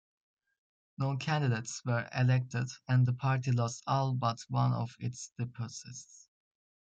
No candidates were elected, and the party lost all but one of its deposits.